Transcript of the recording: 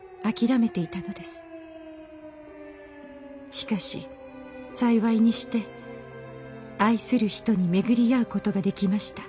しかし幸いにして愛する人に巡り会う事ができました。